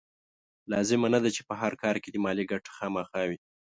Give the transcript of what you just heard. لازمه نه ده چې په هر کار کې دې مالي ګټه خامخا وي.